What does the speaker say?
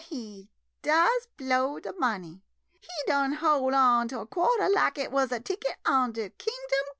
— he does blow de money. He don' hoi' on to a quarter lak it wuz a ticket into Kingdom Come.